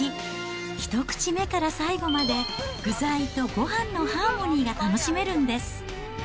１口目から最後まで、具材とごはんのハーモニーが楽しめるんです。